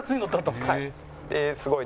はい。